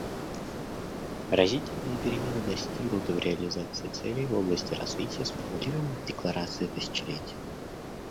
Разительные перемены достигнуты в реализации целей в области развития, сформулированных в Декларации тысячелетия.